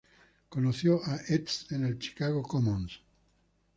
Conoció a Ets en el Chicago Commons.